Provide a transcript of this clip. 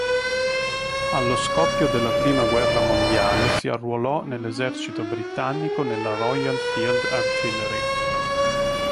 Allo scoppio della prima guerra mondiale si arruolò nell'esercito britannico nella Royal Field Artillery.